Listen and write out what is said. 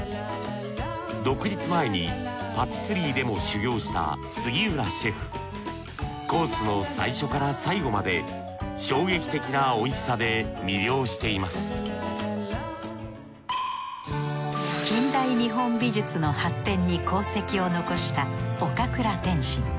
独立前にパティスリーでも修業した杉浦シェフ。コースの最初から最後まで衝撃的なおいしさで魅了しています近代日本美術の発展に功績を残した岡倉天心。